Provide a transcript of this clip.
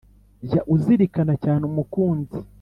jya uzirikana cyane umukunzi